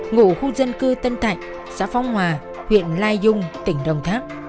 ngủ khu dân cư tân thạnh xã phong hòa huyện lai dung tỉnh đồng tháp